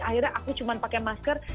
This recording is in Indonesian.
akhirnya aku cuma pakai masker